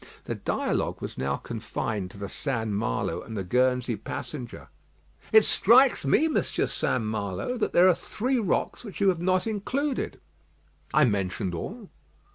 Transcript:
The dialogue was now confined to the St. Malo and the Guernsey passenger. "It strikes me, Monsieur St. Malo, that there are three rocks which you have not included." "I mentioned all."